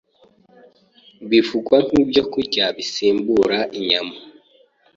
bivugwa nk’ibyokurya bisimbura inyama.